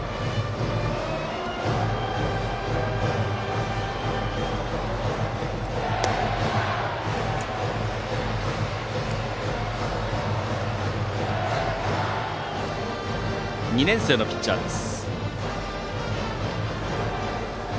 山本は２年生のピッチャーです。